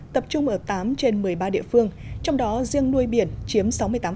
tập trung ở tám trên một mươi ba địa phương trong đó riêng nuôi biển chiếm sáu mươi tám